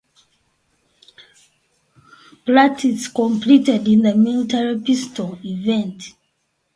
Platis competed in the military pistol event.